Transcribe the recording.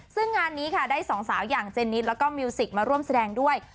ซึ่งงานนี้ค่ะได้สองสาวอย่างเจนิดแล้วก็มิวสิกมาร่วมแสดงด้วย